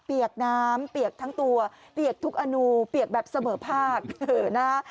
เปลี่ยกน้ำเปลี่ยกทั้งตัวเปลี่ยกทุกอนุเปลี่ยกแบบเสมอภาคเหอะนะ